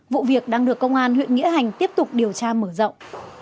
vụ việc đang được công an huyện nghĩa hành tiếp tục điều tra mở rộng